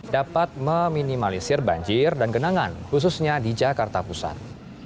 dapat meminimalisir banjir dan genangan khususnya di jakarta pusat